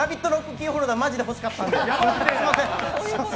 キーホルダーマジで欲しかったんで。